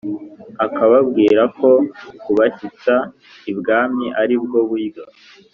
akababwirako kubashyitsa ibwami aribwo buryo